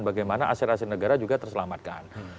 bagaimana hasil hasil negara juga terselamatkan